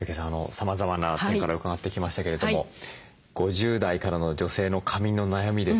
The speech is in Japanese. さまざまな点から伺ってきましたけれども５０代からの女性の髪の悩みですね